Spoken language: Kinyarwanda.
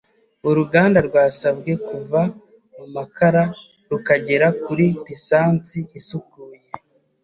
Uruganda rwasabwe kuva mu makara rukagera kuri lisansi isukuye.